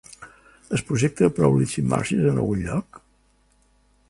Es projecta Proudly She Marches en algun lloc?